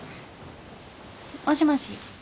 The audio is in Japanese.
もしもし。